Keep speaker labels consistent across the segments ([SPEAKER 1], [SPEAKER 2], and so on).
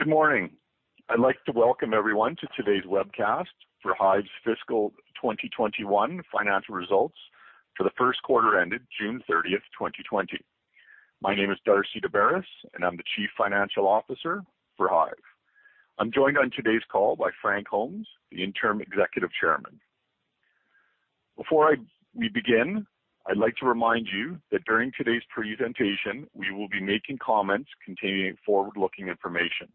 [SPEAKER 1] Good morning. I'd like to welcome everyone to today's webcast for HIVE's fiscal 2021 financial results for the first quarter ended June 30, 2020. My name is Darcy Daubaras, and I'm the Chief Financial Officer for HIVE. I'm joined on today's call by Frank Holmes, the Interim Executive Chairman. Before we begin, I'd like to remind you that during today's presentation, we will be making comments containing forward-looking information.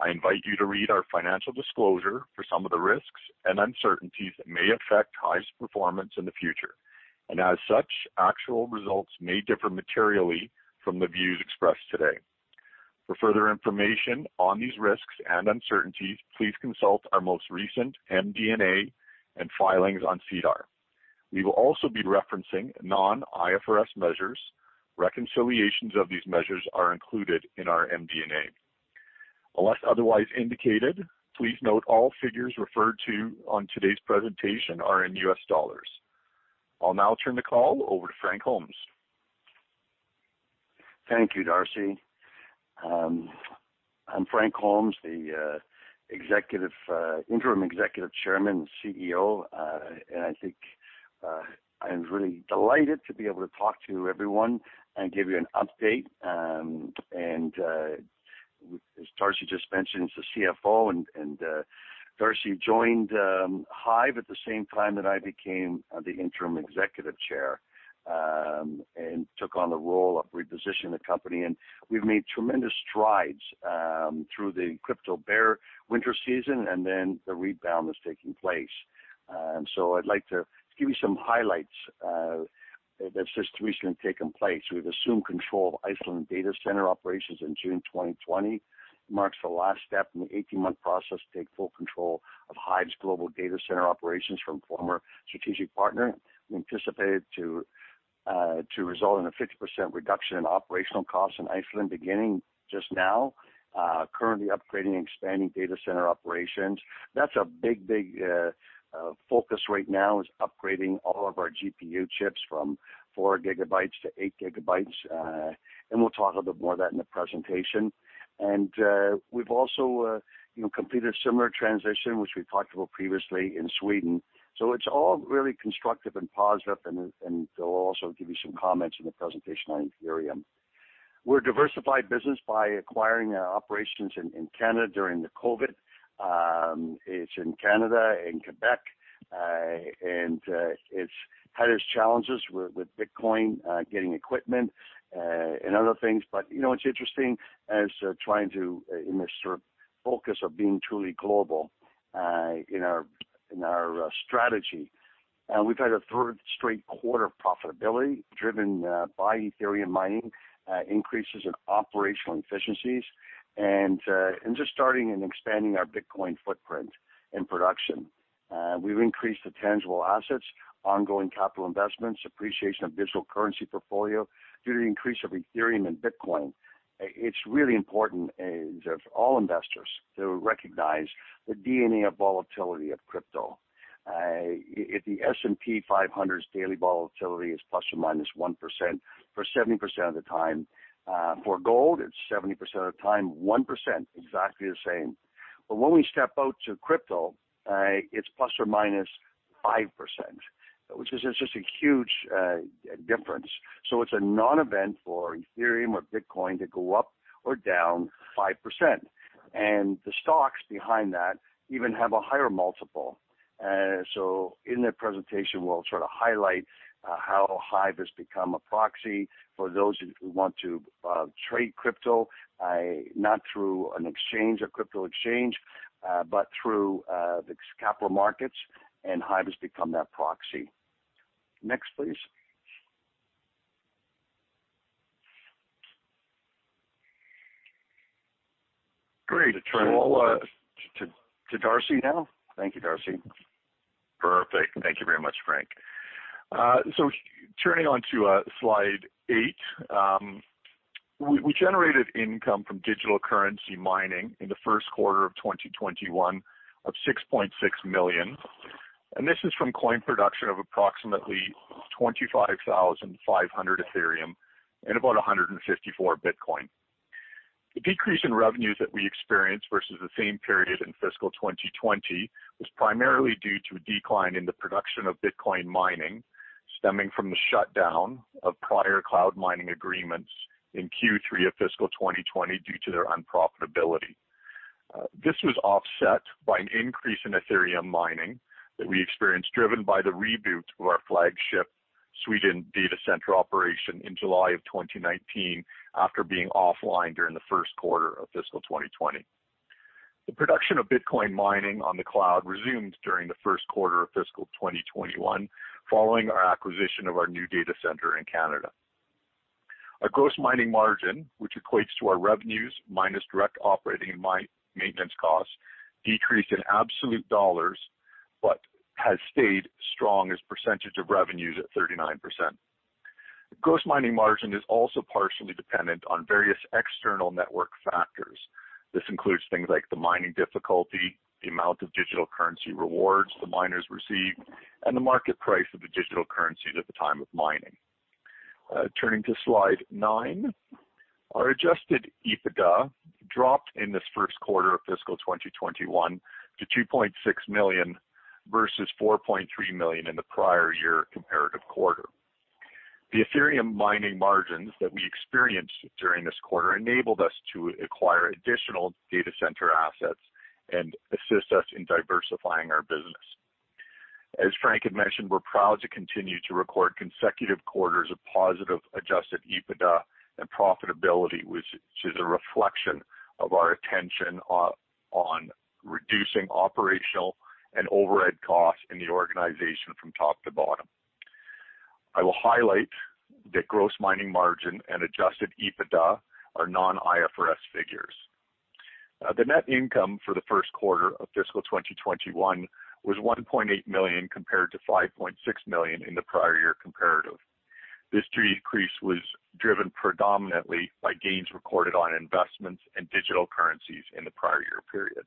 [SPEAKER 1] I invite you to read our financial disclosure for some of the risks and uncertainties that may affect HIVE's performance in the future. As such, actual results may differ materially from the views expressed today. For further information on these risks and uncertainties, please consult our most recent MD&A and filings on SEDAR. We will also be referencing non-IFRS measures. Reconciliations of these measures are included in our MD&A. Unless otherwise indicated, please note all figures referred to on today's presentation are in U.S. dollars. I'll now turn the call over to Frank Holmes.
[SPEAKER 2] Thank you, Darcy. I'm Frank Holmes, the Interim Executive Chairman and CEO. I think I'm really delighted to be able to talk to everyone and give you an update. As Darcy just mentioned, is the CFO, and Darcy joined HIVE at the same time that I became the interim executive chair, and took on the role of repositioning the company. We've made tremendous strides through the crypto bear winter season, and then the rebound that's taking place. I'd like to give you some highlights that's recently taken place. We've assumed control of Iceland data center operations in June 2020. This marks the last step in the 18-month process to take full control of HIVE's global data center operations from former strategic partner. We anticipate it to result in a 50% reduction in operational costs in Iceland beginning just now. We are currently upgrading and expanding data center operations. That's a big focus right now is upgrading all of our GPU chips from 4 GB to 8 GB, and we'll talk a little bit more of that in the presentation. We've also completed a similar transition, which we talked about previously in Sweden. It's all really constructive and positive, and we'll also give you some comments in the presentation on Ethereum. We're a diversified business by acquiring operations in Canada during the COVID. It's in Canada, in Quebec, and it's had its challenges with Bitcoin, getting equipment, and other things. It's interesting as trying to, in this sort of focus of being truly global in our strategy. We've had a third straight quarter profitability driven by Ethereum mining, increases in operational efficiencies, and just starting and expanding our Bitcoin footprint in production. We've increased the tangible assets, ongoing capital investments, appreciation of digital currency portfolio due to the increase of Ethereum and Bitcoin. It's really important for all investors to recognize the DNA of volatility of crypto. If the S&P 500's daily volatility is ±1% for 70% of the time, for gold, it's 70% of the time, 1%, exactly the same. When we step out to crypto, it's ±5%, which is just a huge difference. It's a non-event for Ethereum or Bitcoin to go up or down 5%. The stocks behind that even have a higher multiple. In the presentation, we'll sort of highlight how HIVE has become a proxy for those who want to trade crypto, not through a crypto exchange, but through the capital markets, and HIVE has become that proxy. Next, please.
[SPEAKER 1] Great.
[SPEAKER 2] To Darcy now. Thank you, Darcy.
[SPEAKER 1] Perfect. Thank you very much, Frank. Turning onto slide eight. We generated income from digital currency mining in the first quarter of 2021 of $6.6 million, and this is from coin production of approximately 25,500 Ethereum and about 154 Bitcoin. The decrease in revenues that we experienced versus the same period in fiscal 2020 was primarily due to a decline in the production of Bitcoin mining stemming from the shutdown of prior cloud mining agreements in Q3 of fiscal 2020 due to their unprofitability. This was offset by an increase in Ethereum mining that we experienced, driven by the reboot of our flagship Sweden data center operation in July of 2019 after being offline during the first quarter of fiscal 2020. The production of Bitcoin mining on the cloud resumed during the first quarter of fiscal 2021 following our acquisition of our new data center in Canada. Our gross mining margin, which equates to our revenues minus direct operating and maintenance costs, decreased in absolute U.S. dollars but has stayed strong as % of revenues at 39%. Gross mining margin is also partially dependent on various external network factors. This includes things like the mining difficulty, the amount of digital currency rewards the miners receive, and the market price of the digital currencies at the time of mining. Turning to slide nine, our adjusted EBITDA dropped in this first quarter of fiscal 2021 to $2.6 million, versus $4.3 million in the prior year comparative quarter. The Ethereum mining margins that we experienced during this quarter enabled us to acquire additional data center assets and assist us in diversifying our business. As Frank had mentioned, we're proud to continue to record consecutive quarters of positive adjusted EBITDA and profitability, which is a reflection of our attention on reducing operational and overhead costs in the organization from top to bottom. I will highlight that gross mining margin and adjusted EBITDA are non-IFRS figures. The net income for the first quarter of fiscal 2021 was $1.8 million, compared to $5.6 million in the prior year comparative. This decrease was driven predominantly by gains recorded on investments in digital currencies in the prior year period.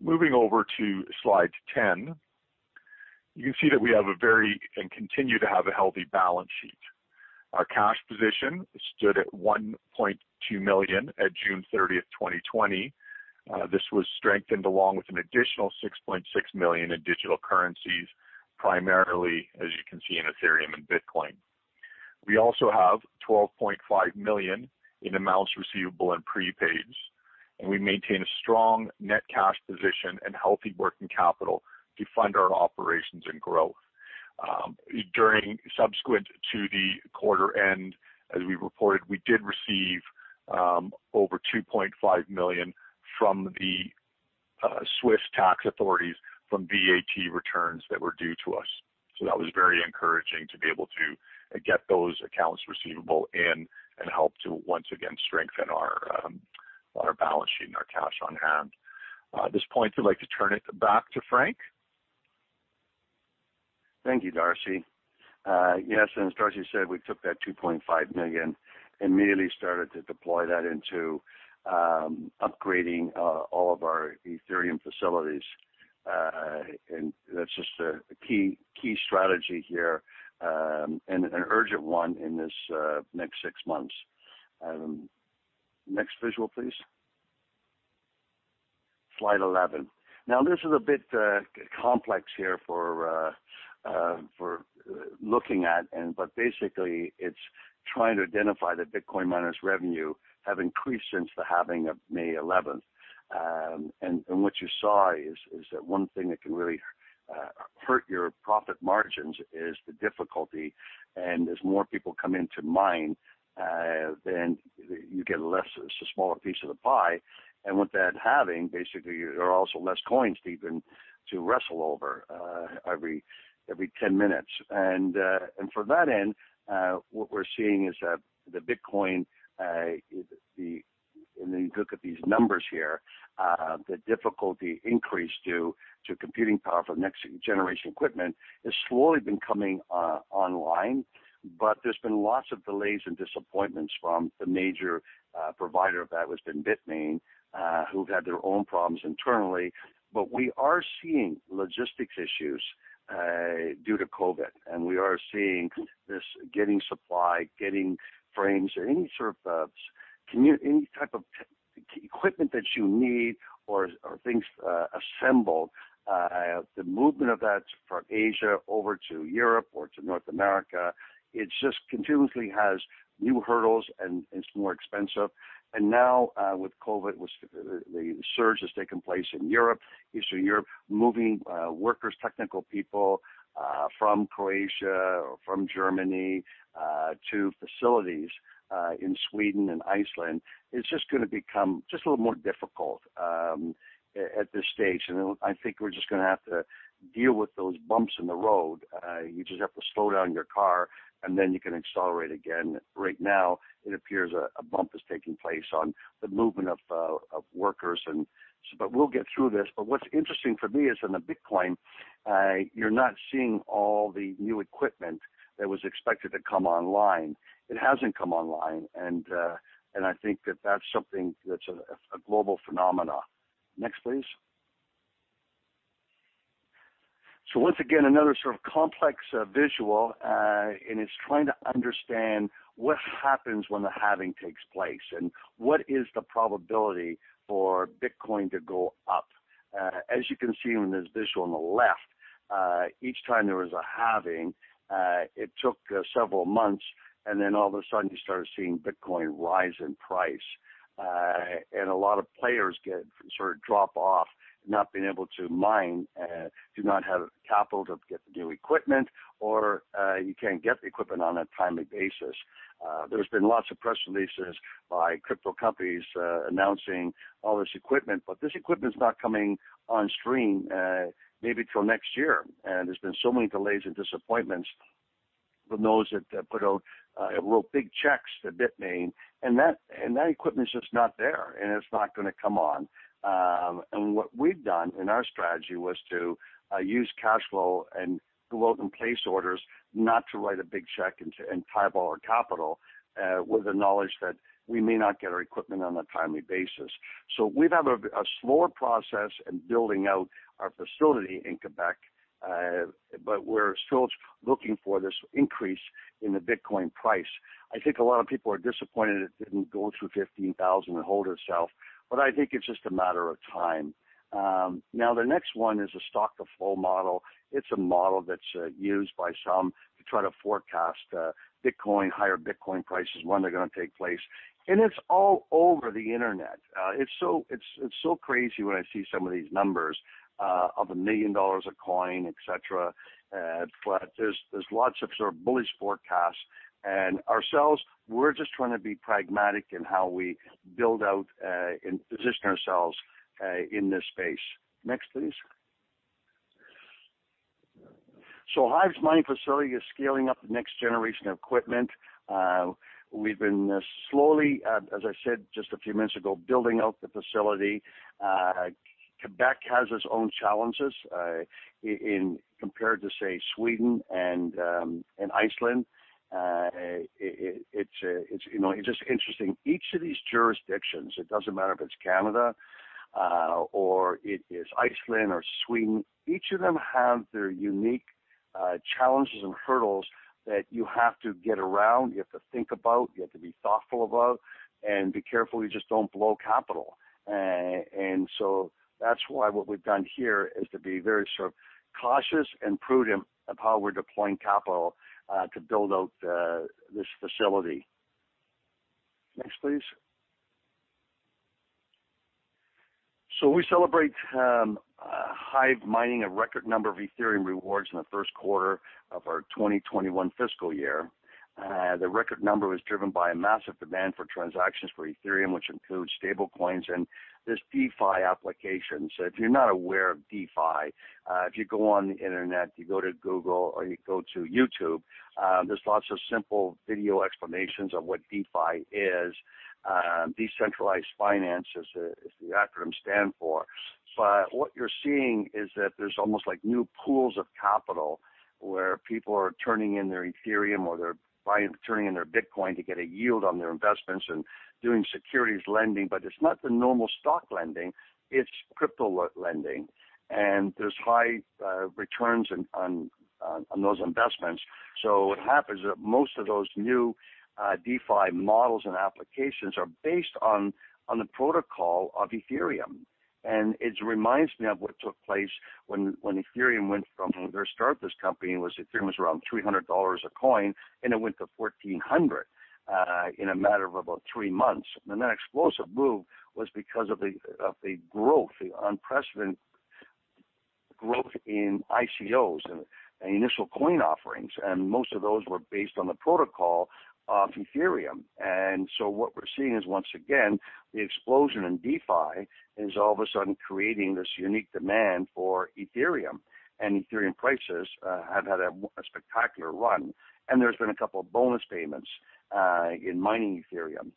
[SPEAKER 1] Moving over to slide 10, you can see that we have a very, and continue to have a healthy balance sheet. Our cash position stood at $1.2 million at June 30th, 2020. This was strengthened along with an additional $6.6 million in digital currencies, primarily, as you can see, in Ethereum and Bitcoin. We also have $12.5 million in amounts receivable and prepaids. We maintain a strong net cash position and healthy working capital to fund our operations and growth. Subsequent to the quarter end, as we reported, we did receive over $2.5 million from the Swiss tax authorities from VAT returns that were due to us. That was very encouraging to be able to get those accounts receivable in and help to once again strengthen our balance sheet and our cash on hand. At this point, I'd like to turn it back to Frank.
[SPEAKER 2] Thank you, Darcy. Yes, as Darcy said, we took that $2.5 million, immediately started to deploy that into upgrading all of our Ethereum facilities. That's just a key strategy here, an urgent one in this next six months. Next visual, please. Slide 11. This is a bit complex here for looking at, but basically it's trying to identify that Bitcoin miners' revenue have increased since the halving of May 11th. What you saw is that one thing that can really hurt your profit margins is the difficulty. As more people come in to mine, then you get less, it's a smaller piece of the pie. With that halving, basically, there are also less coins even to wrestle over every 10 minutes. From that end, what we're seeing is that the Bitcoin, and then you look at these numbers here, the difficulty increased due to computing power for next-generation equipment has slowly been coming online. There's been lots of delays and disappointments from the major provider of that, which has been Bitmain, who've had their own problems internally. We are seeing logistics issues due to COVID, and we are seeing this getting supply, getting frames or any type of equipment that you need or things assembled. The movement of that from Asia over to Europe or to North America, it just continuously has new hurdles, and it's more expensive. Now with COVID, the surge that's taken place in Europe, Eastern Europe, moving workers, technical people from Croatia or from Germany to facilities in Sweden and Iceland is gonna become a little more difficult at this stage. I think we're gonna have to deal with those bumps in the road. You just have to slow down your car, and then you can accelerate again. Right now, it appears a bump is taking place on the movement of workers. We'll get through this. What's interesting for me is in the Bitcoin, you're not seeing all the new equipment that was expected to come online. It hasn't come online, and I think that that's something that's a global phenomena. Next, please. Once again, another sort of complex visual, and it's trying to understand what happens when the halving takes place, and what is the probability for Bitcoin to go up. As you can see in this visual on the left, each time there was a halving, it took several months, and then all of a sudden, you started seeing Bitcoin rise in price. A lot of players get sort of drop off, not being able to mine, do not have the capital to get the new equipment, or you can't get the equipment on a timely basis. There's been lots of press releases by crypto companies announcing all this equipment, but this equipment's not coming on stream maybe till next year. There's been so many delays and disappointments. From those that put out real big checks to Bitmain, and that equipment's just not there, and it's not going to come on. What we've done in our strategy was to use cash flow and go out and place orders, not to write a big check and tie up all our capital, with the knowledge that we may not get our equipment on a timely basis. We've had a slower process in building out our facility in Quebec, but we're still looking for this increase in the Bitcoin price. I think a lot of people are disappointed it didn't go to $15,000 and hold itself, but I think it's just a matter of time. The next one is a stock-to-flow model. It's a model that's used by some to try to forecast Bitcoin, higher Bitcoin prices, when they're going to take place. It's all over the internet. It's so crazy when I see some of these numbers of $1 million a coin, et cetera, but there's lots of sort of bullish forecasts. Ourselves, we're just trying to be pragmatic in how we build out and position ourselves in this space. Next, please. HIVE's mining facility is scaling up the next generation of equipment. We've been slowly, as I said just a few minutes ago, building out the facility. Quebec has its own challenges, compared to, say, Sweden and Iceland. It's just interesting. Each of these jurisdictions, it doesn't matter if it's Canada or it is Iceland or Sweden, each of them have their unique challenges and hurdles that you have to get around, you have to think about, you have to be thoughtful about, and be careful you just don't blow capital. That's why what we've done here is to be very cautious and prudent of how we're deploying capital to build out this facility. Next, please. We celebrate HIVE mining a record number of Ethereum rewards in the first quarter of our 2021 fiscal year. The record number was driven by a massive demand for transactions for Ethereum, which includes stablecoins and this DeFi application. If you're not aware of DeFi, if you go on the internet, you go to Google, or you go to YouTube, there's lots of simple video explanations of what DeFi is. Decentralized Finance is the acronym stand for. What you're seeing is that there's almost new pools of capital where people are turning in their Ethereum or they're turning in their Bitcoin to get a yield on their investments and doing securities lending, but it's not the normal stock lending, it's crypto lending. There's high returns on those investments. What happens is that most of those new DeFi models and applications are based on the protocol of Ethereum. It reminds me of what took place when Ethereum went from, when we first started this company, Ethereum was around $300 a coin, and it went to $1,400 in a matter of about three months. That explosive move was because of the growth, the unprecedented growth in ICOs and Initial Coin Offerings, and most of those were based on the protocol of Ethereum. What we're seeing is, once again, the explosion in DeFi is all of a sudden creating this unique demand for Ethereum. Ethereum prices have had a spectacular run. There's been a couple of bonus payments in mining Ethereum.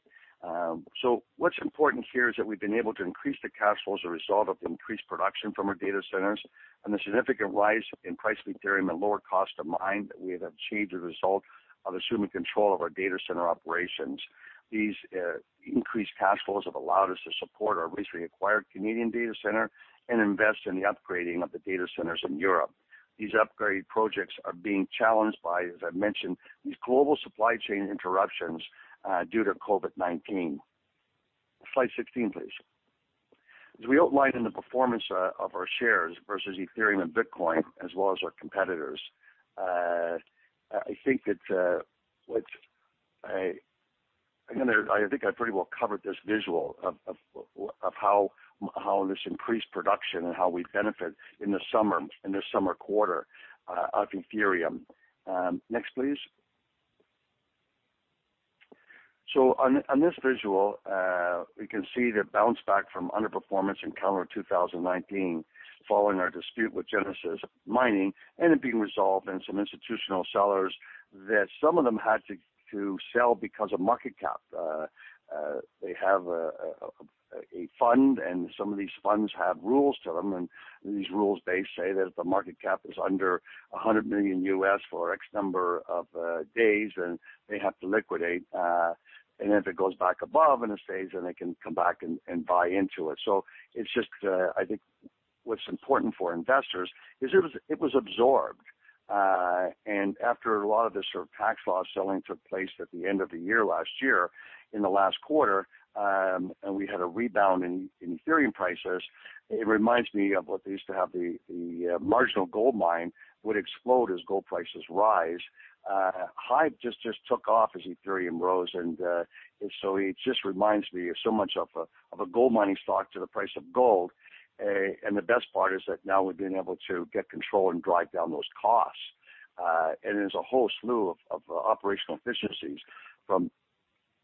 [SPEAKER 2] What's important here is that we've been able to increase the cash flow as a result of the increased production from our data centers and the significant rise in price of Ethereum and lower cost to mine that we have achieved as a result of assuming control of our data center operations. These increased cash flows have allowed us to support our recently acquired Canadian data center and invest in the upgrading of the data centers in Europe. These upgrade projects are being challenged by, as I mentioned, these global supply chain interruptions due to COVID-19. Slide 16, please. As we outlined in the performance of our shares versus Ethereum and Bitcoin, as well as our competitors, I think I pretty well covered this visual of how this increased production and how we benefit in the summer quarter of Ethereum. Next, please. On this visual, we can see the bounce back from underperformance encountered 2019 following our dispute with Genesis Mining and it being resolved and some institutional sellers that some of them had to sell because of market cap. They have a fund, and some of these funds have rules to them, and these rules, they say that if the market cap is under $100 million U.S. for X number of days, then they have to liquidate. If it goes back above in a stage, then they can come back and buy into it. I think what's important for investors is it was absorbed. After a lot of this sort of tax loss selling took place at the end of the year last year, in the last quarter, and we had a rebound in Ethereum prices. It reminds me of what they used to have the marginal gold mine would explode as gold prices rise. HIVE just took off as Ethereum rose, it just reminds me so much of a gold mining stock to the price of gold. The best part is that now we've been able to get control and drive down those costs. There's a whole slew of operational efficiencies.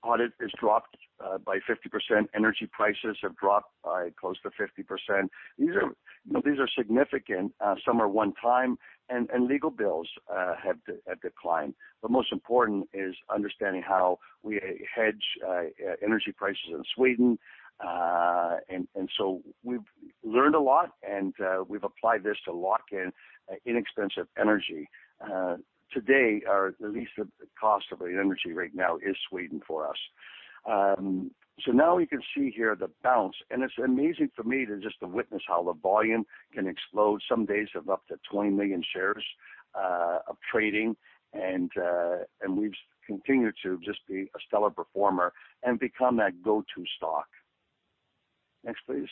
[SPEAKER 2] Audit is dropped by 50%. Energy prices have dropped by close to 50%. These are significant. Some are one time and legal bills have declined. Most important is understanding how we hedge energy prices in Sweden. We've learned a lot, and we've applied this to lock in inexpensive energy. Today, the least cost of energy right now is Sweden for us. Now you can see here the bounce, and it's amazing for me to just to witness how the volume can explode. Some days of up to 20 million shares of trading, and we've continued to just be a stellar performer and become that go-to stock. Next, please.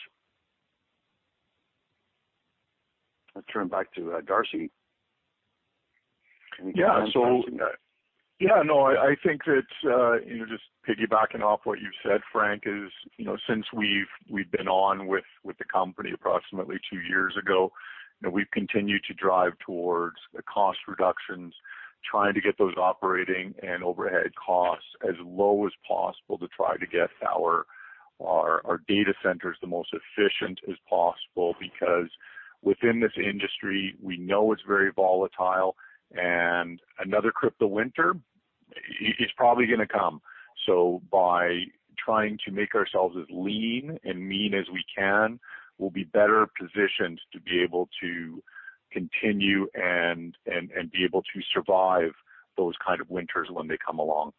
[SPEAKER 2] I'll turn back to Darcy. Can you.
[SPEAKER 1] Yeah. I think that, just piggybacking off what you've said, Frank, is since we've been on with the company approximately two years ago, we've continued to drive towards the cost reductions, trying to get those operating and overhead costs as low as possible to try to get our data centers the most efficient as possible, because within this industry, we know it's very volatile, and another crypto winter is probably going to come. By trying to make ourselves as lean and mean as we can, we'll be better positioned to be able to continue and be able to survive those kind of winters when they come along.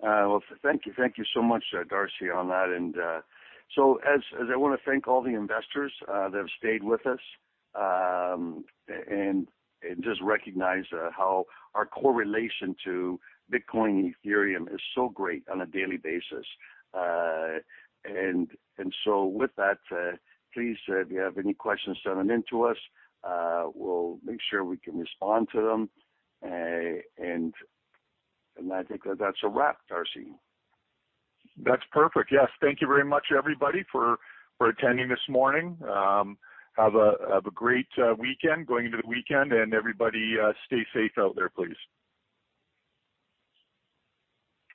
[SPEAKER 2] Well, thank you so much, Darcy, on that. As I want to thank all the investors that have stayed with us, and just recognize how our correlation to Bitcoin and Ethereum is so great on a daily basis. With that, please, if you have any questions, send them in to us. We'll make sure we can respond to them. I think that that's a wrap, Darcy.
[SPEAKER 1] That's perfect. Yes. Thank you very much, everybody, for attending this morning. Have a great weekend going into the weekend, and everybody, stay safe out there, please.